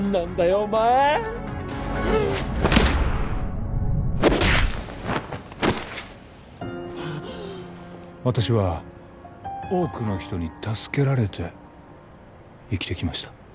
お前はあ私は多くの人に助けられて生きてきました